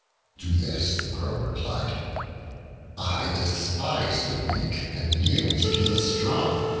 To this the Crow replied, "I despise the weak and yield to the strong.